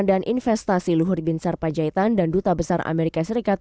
dan investasi luhur bin sar panjaitan dan duta besar amerika serikat